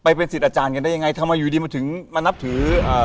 เป็นสิทธิอาจารย์กันได้ยังไงทำไมอยู่ดีมันถึงมานับถืออ่า